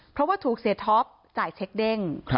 เพราะว่าถูกเศรษฐฟจ่ายเช็คเด้ง